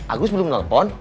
agus belum nelfon